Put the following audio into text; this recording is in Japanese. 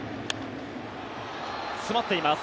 詰まっています。